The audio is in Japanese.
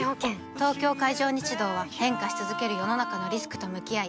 東京海上日動は変化し続ける世の中のリスクと向き合い